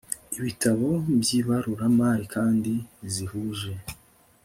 ibitabo by ibaruramari kandi zihuje